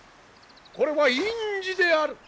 これは院旨である！